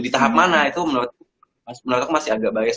di tahap mana itu menurutku menurut aku masih agak bias